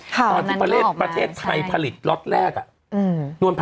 ตอนที่ประเทศไทยผลิตล็อตแรก